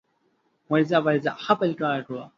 ورځه ورځه خپل کار کوه